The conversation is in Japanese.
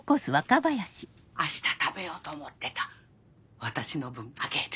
明日食べようと思ってた私の分あげる。